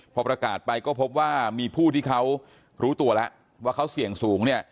พอประกาศไปก็พบว่ามีผู้ที่เขารู้ตัวแล้วว่าเขาเสี่ยงสูงเนี่ย